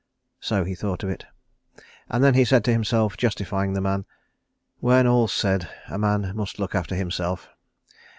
So he thought of it and then he said to himself, justifying the man, "When all's said, a man must look after himself.